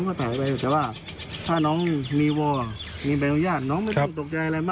เพราะว่าทั้งหมดเต็มเขามี๔คลิป